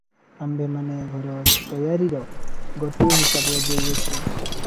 ଆମ୍ଭେମାନେ ଘର ତୟାରିର ଗୋଟିଏ ହିସାବ ଦେଉଅଛୁ